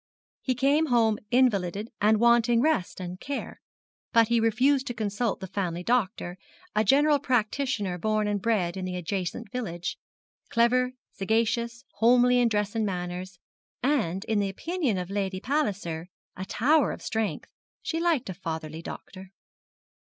He came home invalided, and wanting rest and care: but he refused to consult the family doctor, a general practitioner born and bred in the adjacent village, clever, sagacious, homely in dress and manners, and, in the opinion of Lady Palliser, a tower of strength. She liked a fatherly doctor.